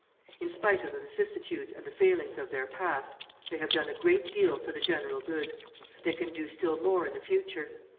In spite of the vicissitudes and the failings of their past, they have done a great deal for the general good. They can do still more in the future.